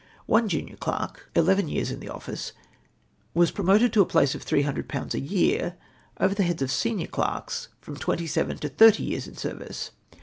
One junior clerk, eleven years in the office, was promoted to a place of 300/. a year, over the heads of senior clerks from twenty seven to thirty years in the service.